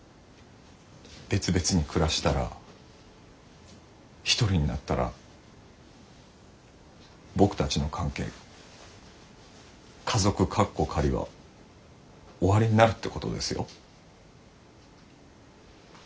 別々に暮らしたら一人になったら僕たちの関係家族カッコ仮は終わりになるってことですよ？